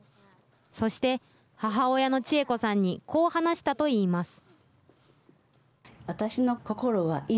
そして母親の千恵子さんにこう話したといいます。